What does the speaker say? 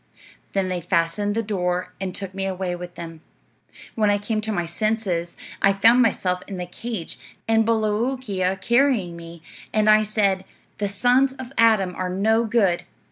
Then they fastened the door and took me away with them. "When I came to my senses I found myself in the cage, and Bolookeea carrying me, and I said, 'The sons of Adam are no good.